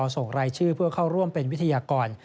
ส่งรายชื่อเพื่อเข้าร่วมเป็นวิทยากร